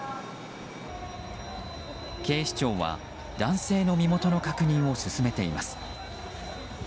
警視庁は男性の身元の確認を進めています。